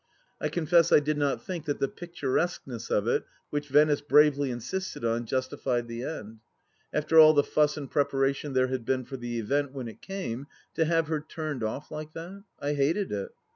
I confess I did not think that the picturesqueness of it, which Venice bravely insisted on, justified the end. After all the fuss and preparation there had been for the event, when it came, to have her turned off like that 1 I hated it.